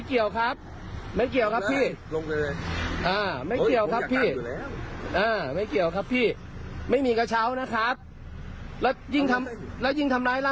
เอ้าพี่เม้าใช่ไหม